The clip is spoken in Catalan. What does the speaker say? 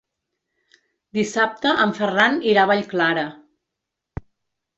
Dissabte en Ferran irà a Vallclara.